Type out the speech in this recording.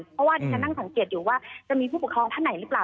เพราะว่าดิฉันนั่งสังเกตอยู่ว่าจะมีผู้ปกครองท่านไหนหรือเปล่า